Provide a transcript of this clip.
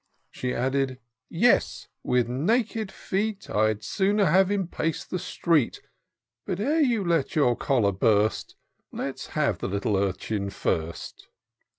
She added —" Yes, with naked feet I'd sooner have him pace the street ; But ere you let your choler burst. Let's have the little urchin first."